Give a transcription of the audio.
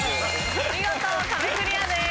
見事壁クリアです。